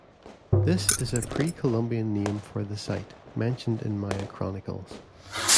This is a pre-Columbian name for the site, mentioned in Maya chronicles.